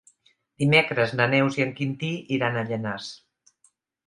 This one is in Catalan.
Dimecres na Neus i en Quintí iran a Llanars.